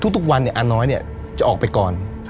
ทุกวันอาน้อยจะออกไปก่อน